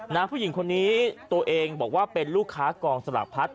ผู้หญิงคนนี้ตัวเองบอกว่าเป็นลูกค้ากองสลากพัด